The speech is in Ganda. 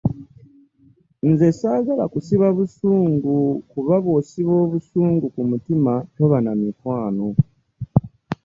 Nze saagala kusiba busungu kuba bw'osiba obusungu ku mutima toba na mikwano